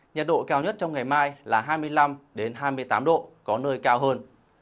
nhiệt độ cao nhất trong ngày mai là hai mươi năm hai mươi tám độ có nơi cao hơn